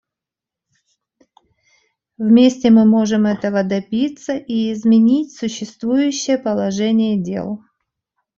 Вместе мы можем этого добиться и изменить существующее положение дел.